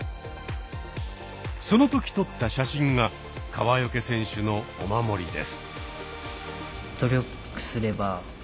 その時撮った写真が川除選手のお守りです。